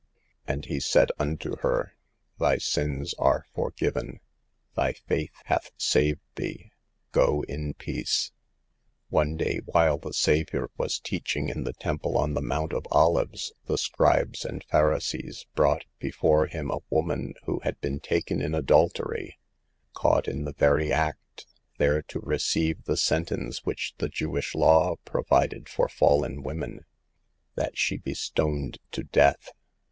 " And He said unto her, 'Thy sins are forgiven ; Thy faith hath saved thee ; go in peace.' " One day while the Savior was teaching in the temple on the Mount of Olives, the Scribes and Pharisees brought before Him a woman who had been taken in adultery, caught in the very act, there to receive the sentence which the Jewish law provided for fallen women : that she be stoned to death.